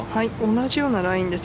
同じようなラインです。